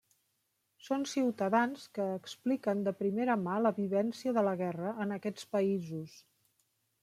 Són ciutadans que expliquen de primera mà la vivència de la guerra en aquests països.